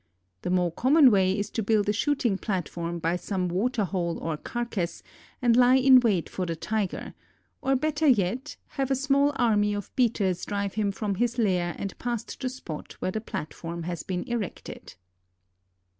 The more common way is to build a shooting platform by some water hole or carcass and lie in wait for the Tiger, or, better yet, have a small army of beaters drive him from his lair and past the spot where the platform has been erected.